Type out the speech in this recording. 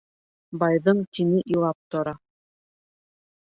Байҙың тине илап тора